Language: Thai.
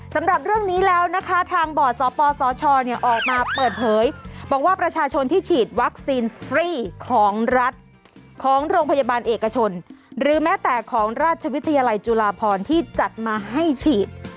สำหรับเรื่องนี้แล้วนะคะทางบ่อสปสชออกมาเปิดเผยบอกว่าประชาชนที่ฉีดวัคซีนฟรีของรัฐของโรงพยาบาลเอกชนหรือแม้แต่ของราชวิทยาลัยจุฬาพรที่จัดมาให้ฉีด